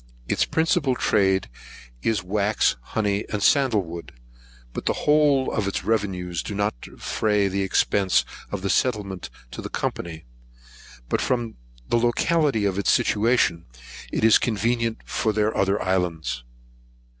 Its principal trade is wax, honey, and sandlewood; but the whole of its revenues do not defray the expence of the settlement to the Company; but from the locality of its situation, it is convenient for their other islands.